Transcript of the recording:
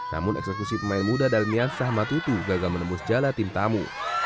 namun eksekusi pemain muda dalmian sah matutu gagal menembus jala tim tamu